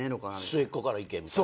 末っ子からいけみたいな。